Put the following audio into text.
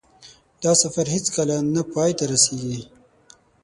دا سفر هېڅکله نه پای ته رسېږي.